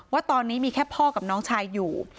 ว่าตอนนี้มีแค่พ่อกับน้องชายอยู่